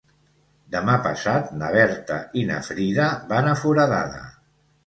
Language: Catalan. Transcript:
Demà passat na Berta i na Frida van a Foradada.